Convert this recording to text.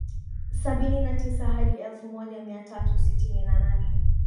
Sabini na tisa hadi elfu moja mia tatu sitini na nane